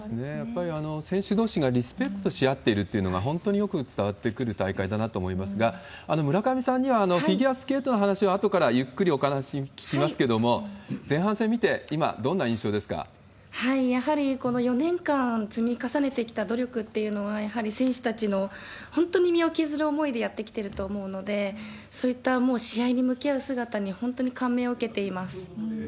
やっぱり選手どうしがリスペクトし合っているというのが本当によく伝わってくる大会だなと思いますが、村上さんにはフィギュアスケートの話はあとからゆっくりお話聞きますけれども、前半戦見て、今、やはりこの４年間積み重ねてきた努力っていうのは、やはり選手たちの本当に身を削る思いでやってきてると思うので、そういった、もう試合に向き合う姿に本当に感銘を受けています。